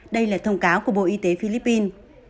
đây là thông cáo của bộ y tế philippines